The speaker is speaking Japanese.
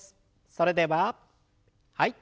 それでははい。